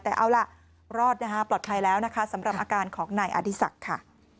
แต่เอาล่ะรอดนะคะปลอดภัยแล้วนะคะสำหรับอาการของนายอดีศักดิ์ค่ะ